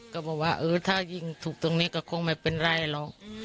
ก็บอกว่าเออถ้ายิงถูกตรงนี้ก็คงไม่เป็นไรหรอก